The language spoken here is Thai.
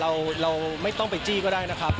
เราไม่ต้องไปจี้ก็ได้นะครับ